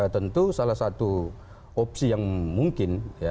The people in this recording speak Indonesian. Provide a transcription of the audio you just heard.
tentu salah satu opsi yang mungkin